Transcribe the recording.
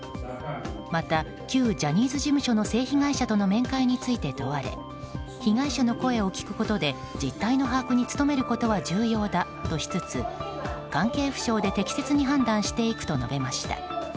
また旧ジャニーズ事務所の性被害者との面会について問われ被害者の声を聞くことで実態の把握に努めることは重要だとしつつ関係府省で適切に判断していくと述べました。